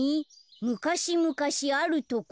「むかしむかしあるところ。